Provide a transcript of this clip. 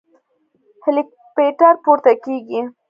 هليكاپټر پورته کېږي.